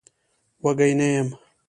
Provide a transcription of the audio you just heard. وږی نه يم.